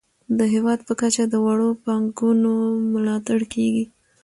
د هیواد په کچه د وړو پانګونو ملاتړ کیږي.